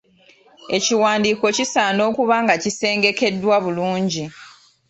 Ekiwandiiko kisaana okuba nga kisengekeddwa bulungi.